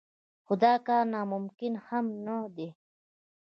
خو دا کار ناممکن هم نه دی.